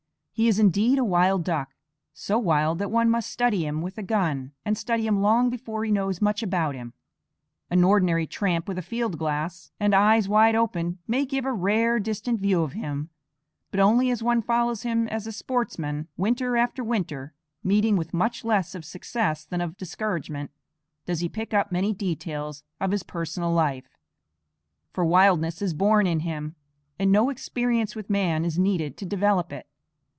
He is indeed a wild duck, so wild that one must study him with a gun, and study him long before he knows much about him. An ordinary tramp with a field glass and eyes wide open may give a rare, distant view of him; but only as one follows him as a sportsman winter after winter, meeting with much less of success than of discouragement, does he pick up many details of his personal life; for wildness is born in him, and no experience with man is needed to develop it.